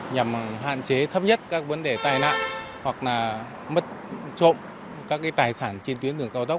nhằm hạn chế thấp nhất các vấn đề tai nạn hoặc là mất trộm các tài sản trên tuyến đường cao tốc